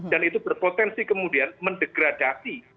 dan itu berpotensi kemudian mendegradasi